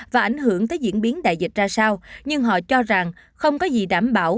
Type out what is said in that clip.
và ảnh hưởng tới diễn biến đại dịch ra sao nhưng họ cho rằng không có gì đảm bảo